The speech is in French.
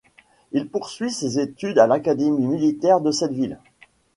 Il poursuit ses études à l'Académie militaire de cette ville.